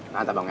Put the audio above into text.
mantap bang ya